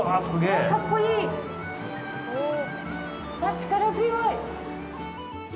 力強い！